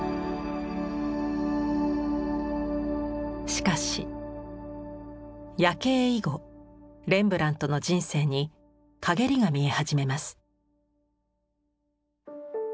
しかし「夜警」以後レンブラントの人生にかげりが見え始めます。